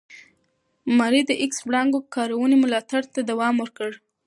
ماري د ایکس وړانګو کارونې ملاتړ ته دوام ورکړ.